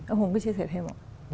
ông hùng có chia sẻ thêm không ạ